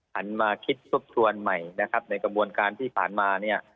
หันมาคิดทบทวนใหม่นะครับในกระบวนการที่ผ่านมาเนี่ย